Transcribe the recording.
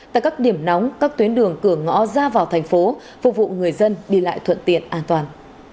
tại các điểm nóng các tuyến đường cửa ngõ ra vào thành phố phục vụ người dân đi lại thuận tiện an toàn